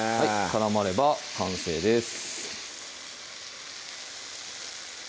絡まれば完成です